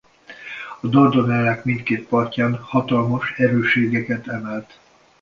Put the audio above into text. A Dardanellák mindkét partján hatalmas erősségeket emelt.